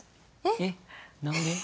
えっ何で？